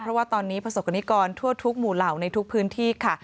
เพราะว่าตอนนี้ประสบกรณิกรทั่วทุกหมู่เหล่าในทุกพื้นที่ค่ะ